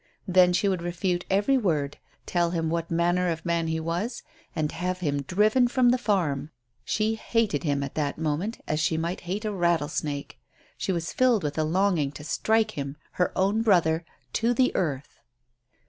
Then she would refute every word, tell him what manner of man he was, and have him driven from the farm. She hated him at that moment as she might hate a rattlesnake. She was filled with a longing to strike him, her own brother, to the earth.